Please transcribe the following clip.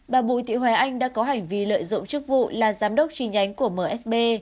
bà bùi thị hoài anh đã có hành vi lợi dụng chức vụ là giám đốc tri nhánh của msb